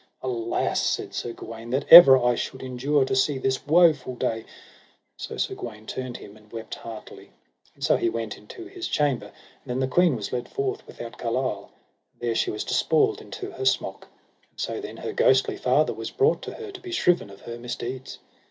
Alas, said Sir Gawaine, that ever I should endure to see this woful day. So Sir Gawaine turned him and wept heartily, and so he went into his chamber; and then the queen was led forth without Carlisle, and there she was despoiled into her smock. And so then her ghostly father was brought to her, to be shriven of her misdeeds.